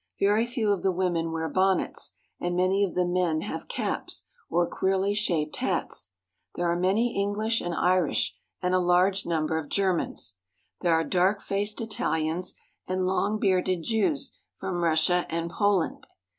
Very few of the women wear bonnets, and many of the men have caps or queerly shaped hats. There are many EngHsh and Irish, and a large num ber of Germans. There are dark faced Itahans, and long bearded Jews from Russia and Poland.